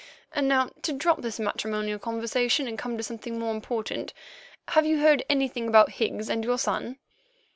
And now, to drop this matrimonial conversation and come to something more important, have you heard anything about Higgs and your son?"